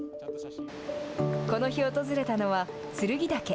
この日訪れたのは、剱岳。